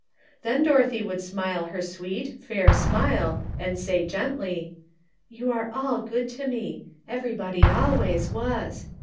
Then Dorothy would smile her sweet, fair smile, and say gently: "You are ANOTHER ''SIDE TRACKS 355 all good to me; everybody always was.